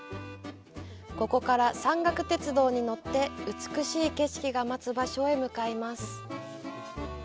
ここから山岳鉄道に乗って美しい景色が待つ場所へ向かいます。